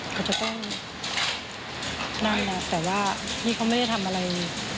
เขาจะต้องนั่งนะแต่ว่านี่เขาไม่ได้ทำอะไร